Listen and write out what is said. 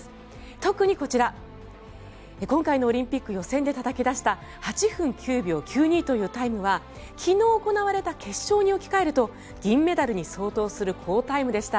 特にこちら今回のオリンピック予選でたたき出した８分９秒９２というタイムは昨日行われた決勝に置き換えると銀メダルに相当する好タイムでした。